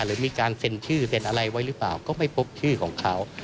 หรือมีการเซ็นชื่อเซ็นอะไรไว้หรือเปล่าก็ไม่พบชื่อของเขา